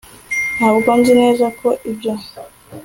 ntabwo nzi neza ko ibyo